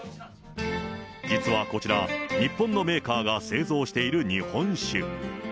実はこちら、日本のメーカーが製造している日本酒。